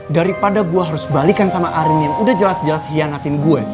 daripada gue harus balikan sama arin yang udah jelas jelas hianatin gue